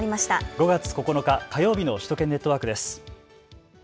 ５月９日火曜日の首都圏ネットワークです。